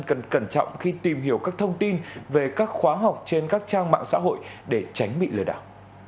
cần cẩn trọng khi tìm hiểu các thông tin về các khóa học trên các trang mạng xã hội để tránh bị lừa đảo